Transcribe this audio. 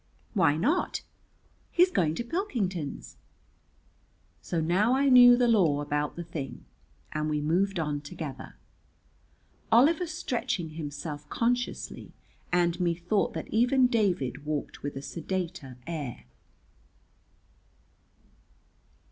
"Why not?" "He's going to Pilkington's." So now I knew the law about the thing, and we moved on together, Oliver stretching himself consciously, and methought that even David walked with a sedater air.